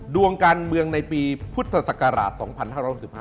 ดวงการเมืองในปีพุทธศักราช๒๕๖๕